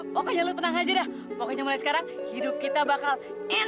pokoknya lo tenang aja dah pokoknya mulai sekarang hidup kita bakal